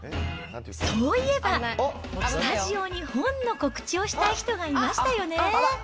そういえば、スタジオに本の告知をしたい人がいましたよね。